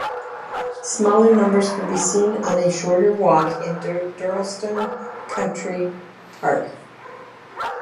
Smaller numbers can be seen on a shorter walk in Durlston Country Park.